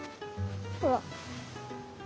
ほら。